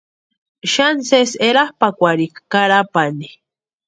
Xani sési erapʼakwarhika Carapani.